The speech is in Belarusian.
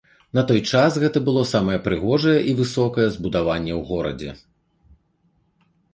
На той час гэта было самае прыгожае і высокае збудаванне ў горадзе.